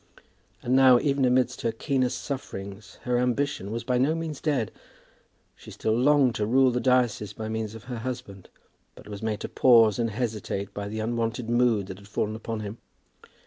And now, even amidst her keenest sufferings, her ambition was by no means dead. She still longed to rule the diocese by means of her husband, but was made to pause and hesitate by the unwonted mood that had fallen upon him.